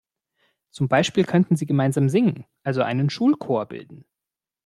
Zum Beispiel könnten sie gemeinsam singen, also einen Schulchor bilden.